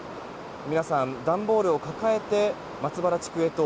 皆さん、段ボールを抱えて松原地区へと